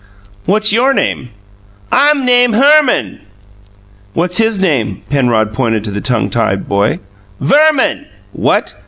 "What's YOUR name?" "I'm name Herman." "What's his name?" Penrod pointed to the tongue tied boy. "Verman." "What!"